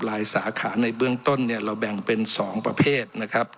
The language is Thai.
สาขาในเบื้องต้นเนี่ยเราแบ่งเป็น๒ประเภทนะครับ